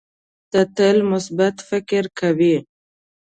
ته تل مثبت فکر کوې.